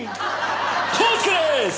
コースケです！